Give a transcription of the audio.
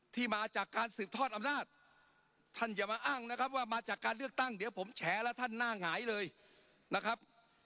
มาจากการสืบทอดอำนาจท่านอย่ามาอ้างนะครับว่ามาจากการเลือกตั้งเดี๋ยวผมแฉแล้วท่านหน้าหงายเลยนะครับ